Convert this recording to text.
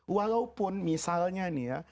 walaupun misalnya nih ya